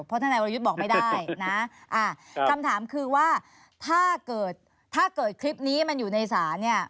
เพราะทนายวรยุทธ์บอกไม่ได้นะคำถามคือว่าถ้าเกิดถ้าเกิดคลิปนี้มันอยู่ในศาลเนี่ย